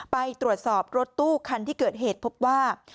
ไปตรวจสอบรถตู้คันที่เกิดเหตุพบว่า